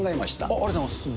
ありがとうございます。